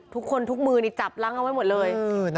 ทุกคนทุกมือนี่จับล้างเอาไว้หมดเลย